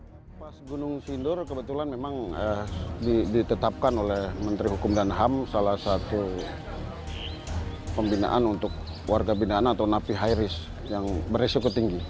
pas gunung sindur kebetulan memang ditetapkan oleh menteri hukum dan ham salah satu pembinaan untuk warga binaan atau napi high risk yang beresiko tinggi